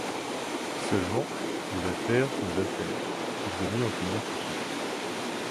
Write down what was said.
Seulement, les affaires sont les affaires ; il vaut mieux en finir tout de suite…